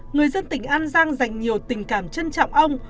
người dân tỉnh an giang dành nhiều tình cảm trân trọng ông